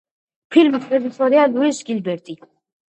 ფილმის რეჟისორია ლუის გილბერტი.